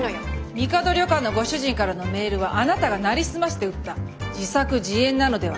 みかど旅館のご主人からのメールはあなたが成り済まして打った自作自演なのではと。